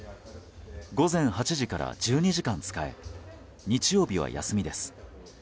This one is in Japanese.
午前８時から１２時間使え日曜日は休みです。